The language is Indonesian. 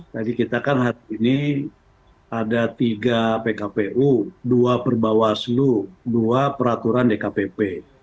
tadi kita kan hari ini ada tiga pkpu dua perbawaslu dua peraturan dkpp